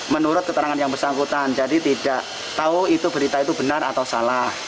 mereka tidak tahu berita itu benar atau salah